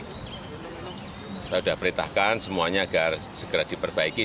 jadi saya sudah perintahkan semuanya agar segera diperbaiki